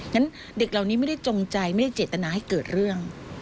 งั้นเด็กเหล่านี้ไม่ได้จงใจไม่ได้เจตนาให้เกิดเรื่อง